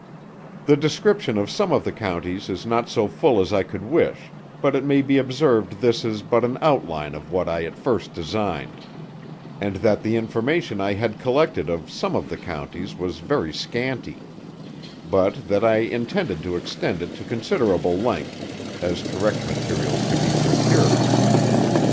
The description of some of the Counties is not so full as I could wish, but it may be observed this is but an outline of what I at first designed; and that the information I had collected of some of the Counties, was very scanty; but that I intended to extend it to considerable length, as correct materials could be procured.